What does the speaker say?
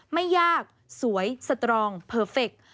ไม่ยากสวยสตรองเพอร์เฟค